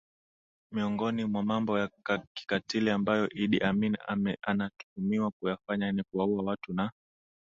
Miongoni mwa mambo ya kikatili ambayo Idi Amin anatuhumiwa kuyafanya ni kuwaua watu na